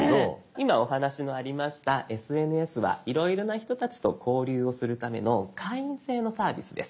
今お話のありました「ＳＮＳ」はいろいろな人たちと交流をするための会員制のサービスです。